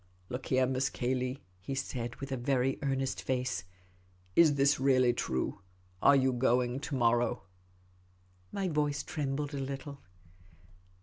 " Look here. Miss Cayley," he said, with a very earnest face ;" is this really true ? Are you going to morrow ?" My voice trembled a little.